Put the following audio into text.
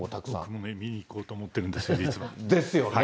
見に行こうと思ってるんですよ、実は。ですよね。